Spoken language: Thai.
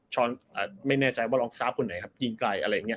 ไม่แน่ใจว่ารองซาฟคนไหนครับยิงไกลอะไรอย่างนี้